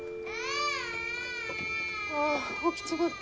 ・ああ起きちまった。